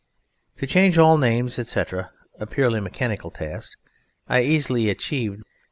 To change all names etc., a purely mechanical task, I easily achieved.